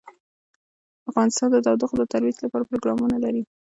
افغانستان د تودوخه د ترویج لپاره پروګرامونه لري.